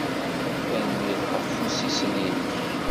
Tanemmirt ɣef wussisen-nnek.